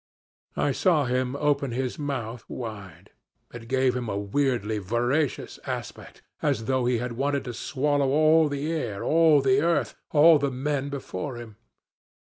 I saw him open his mouth wide it gave him a weirdly voracious aspect, as though he had wanted to swallow all the air, all the earth, all the men before him.